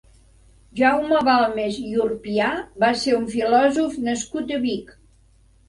Jaume Balmes i Urpià va ser un filòsof nascut a Vic.